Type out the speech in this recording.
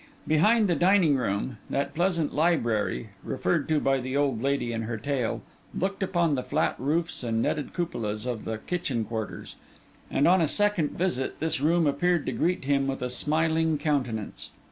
Behind the dining room, that pleasant library, referred to by the old lady in her tale, looked upon the flat roofs and netted cupolas of the kitchen quarters; and on a second visit, this room appeared to greet him with a smiling countenance.